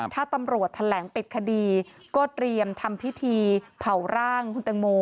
ถ้าตำรวจแถลงปิดคดีก็เตรียมทำพิธีเผาร่างคุณตังโม